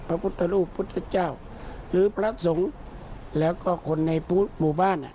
พระพุทธรูปพุทธเจ้าหรือพระสงฆ์แล้วก็คนในหมู่บ้านอ่ะ